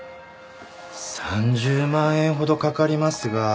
３０万円ほど掛かりますが。